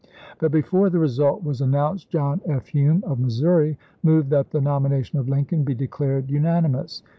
But before the result was announced John F. Hume of Missouri moved that the nomination of Lincoln be declared unanimous.